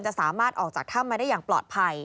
สามารถออกจากถ้ำมาได้อย่างปลอดภัย